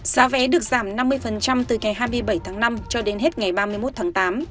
giá vé được giảm năm mươi từ ngày hai mươi bảy tháng năm cho đến hết ngày ba mươi một tháng tám